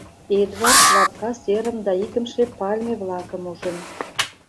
Эдвард лапка серым да икымше пальме-влакым ужын.